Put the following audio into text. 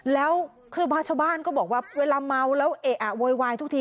แล้วท่วบัชบานก็บอกว่าเขาเวลาเมาเอ่ออาโวยวายทุกที